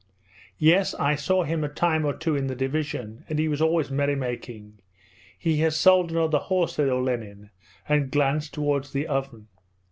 "' 'Yes, I saw him a time or two in the division, he was always merry making. He has sold another horse,' said Olenin, and glanced towards the oven.